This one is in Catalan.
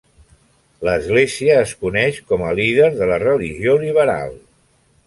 L'església es coneix com a líder de la religió liberal.